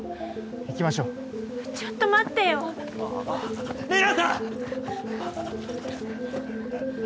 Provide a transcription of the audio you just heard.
行きましょうちょっと待ってよ玲奈さん！